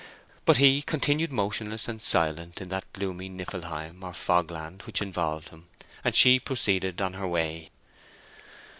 But he continued motionless and silent in that gloomy Niflheim or fog land which involved him, and she proceeded on her way.